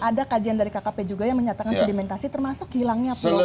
ada kajian dari kkp juga yang menyatakan sedimentasi termasuk hilangnya program